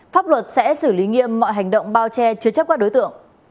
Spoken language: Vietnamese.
pháp luật sẽ xử lý nghiêm mọi hành động bao che chứa chấp các đối tượng